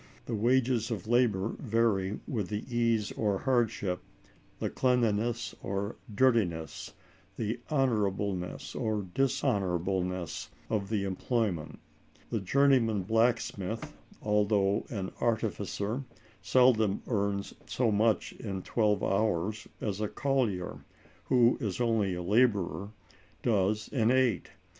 "The wages of labor vary with the ease or hardship, the cleanliness or dirtiness, the honorableness or dishonorableness of the employment. A journeyman blacksmith, though an artificer, seldom earns so much in twelve hours as a collier, who is only a laborer, does in eight.